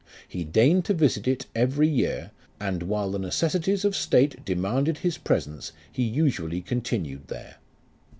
He deigned to visit it every year, And while the necessities of state demanded his presence, He usually continued there.